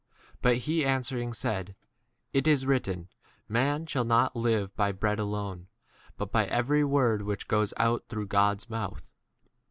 * But he answering said, It is written, Man shall not live by bread alone, but by every word which goes out through God's mouth.